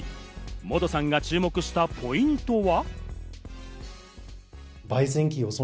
モドさんが注目したポイントは。